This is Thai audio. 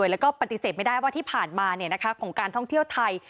แล้วก็ปฏิเสธไม่ได้ว่าที่ผ่านมาของการท่องเที่ยวไทย